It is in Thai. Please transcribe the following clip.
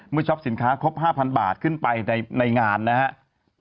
เมื่อช็อปสินค้าครบ๕๐๐๐บาทขึ้นไปในงานนะฮะ